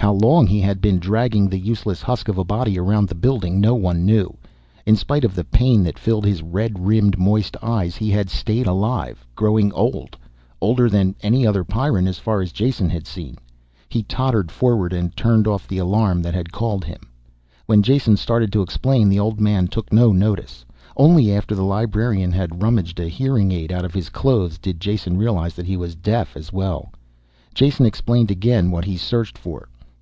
How long he had been dragging the useless husk of a body around the building, no one knew. In spite of the pain that filled his red rimmed, moist eyes, he had stayed alive. Growing old, older than any other Pyrran as far as Jason had seen. He tottered forward and turned off the alarm that had called him. When Jason started to explain the old man took no notice. Only after the librarian had rummaged a hearing aid out of his clothes, did Jason realize he was deaf as well. Jason explained again what he searched for.